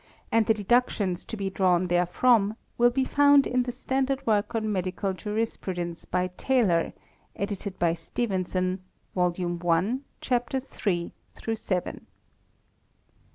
and the deductions to be drawn therefrom will be found in the standard work on Medical Jurisprudence by Taylor, edited by Stevenson, Vol. I, ~ Chaps. III—VII.